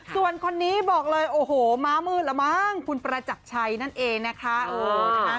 ส่วนคนนี้บอกเลยโอ้โหม้ามืดละมั้งคุณประจักรชัยนั่นเองนะคะ